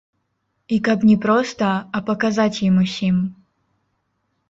І каб не проста, а паказаць ім усім.